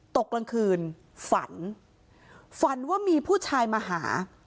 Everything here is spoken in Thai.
ตกกลางคืนฝันฝันว่ามีผู้ชายมาหา